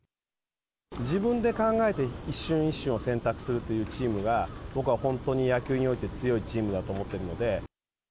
自分で考えて、一瞬一瞬を選択するというチームが、僕は本当に野球において強いチームだと思ってるので。